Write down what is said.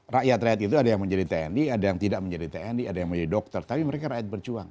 rakyat rakyat itu ada yang menjadi tni ada yang tidak menjadi tni ada yang menjadi dokter tapi mereka rakyat berjuang